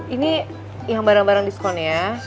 ini yang barang barang diskonnya